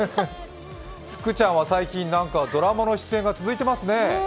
福ちゃんは最近ドラマの出演が続いてますね。